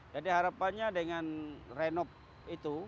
jadi harapannya dengan renov itu